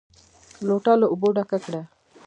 لوټه له اوبو ډکه کړه!